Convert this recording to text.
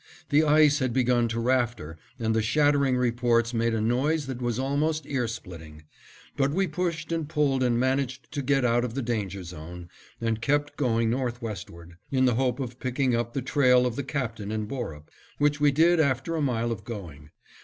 The ice had begun to rafter and the shattering reports made a noise that was almost ear splitting, but we pushed and pulled and managed to get out of the danger zone, and kept going northwestward, in the hope of picking up the trail of the Captain and Borup, which we did after a mile of going.